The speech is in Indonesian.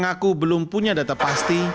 mengaku belum punya data pasti